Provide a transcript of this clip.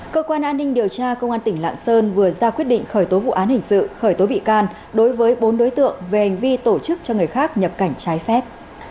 cơ quan an ninh điều tra công an tỉnh lạng sơn vừa ra quyết định khởi tố vụ án hình sự khởi tố bị can đối với bốn đối tượng về hành vi tổ chức cho người khác nhập cảnh trái phép